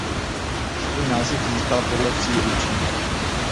Svůj název získal podle vsi Lučiny.